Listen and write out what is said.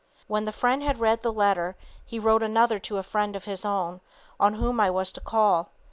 When the friend had read the letter he wrote another to a friend of his own on whom I was to call.